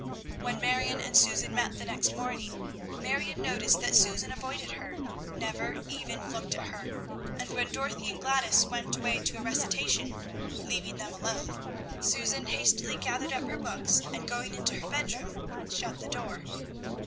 When Marion and Susan met the next morning, Marion noticed that Susan avoided her, never even looked at her; and when Dorothy and Gladys went away to a recitation, leaving them alone, Susan hastily gathered up her books, and going into her bedroom, shut the door.